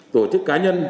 tổ chức cá nhân